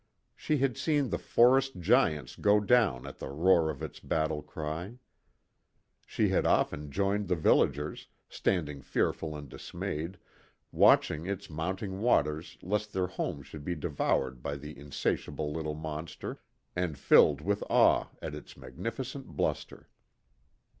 She had seen the forest giants go down at the roar of its battle cry. She had often joined the villagers, standing fearful and dismayed, watching its mounting waters lest their homes should be devoured by the insatiable little monster, and filled with awe at its magnificent bluster.